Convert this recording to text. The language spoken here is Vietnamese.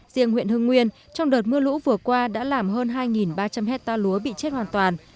riêng huyện hưng nguyên trong đợt mưa lũ vừa qua đã làm hơn hai ba trăm linh hectare lúa bị chết hoàn toàn